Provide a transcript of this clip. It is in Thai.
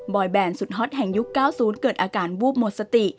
แบนสุดฮอตแห่งยุค๙๐เกิดอาการวูบหมดสติ